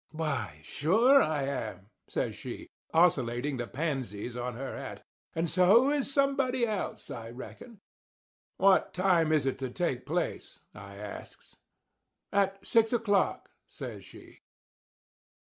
"Why, sure I am," says she, oscillating the pansies on her hat, "and so is somebody else, I reckon." "What time is it to take place?" I asks. "At six o'clock," says she.